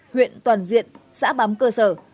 huyện toàn diện xã bám cơ sở